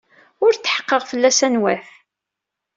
Ur tḥeqqeɣ fell-as anwa-t.